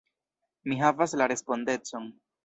Mi havas la respondecon!